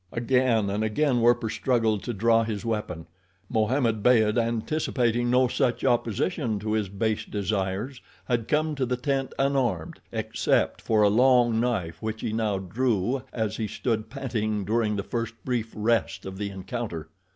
Again and again Werper struggled to draw his weapon. Mohammed Beyd, anticipating no such opposition to his base desires, had come to the tent unarmed, except for a long knife which he now drew as he stood panting during the first brief rest of the encounter.